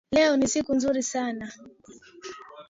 Leo ni siku nzuri sana